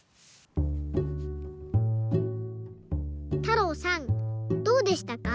たろうさんどうでしたか？